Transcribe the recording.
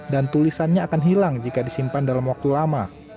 dan tulisannya akan hilang jika disimpan dalam waktu lama